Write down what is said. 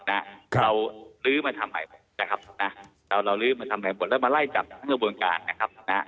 เราลื้อมาทำใหม่นะครับเราลื้อมาทำใหม่หมดแล้วมาไล่จับทางกระบวนการนะครับ